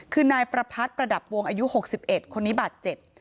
คือนายประพัทธประดับวงอายุ๖๑คนนี้บาดเจ็บ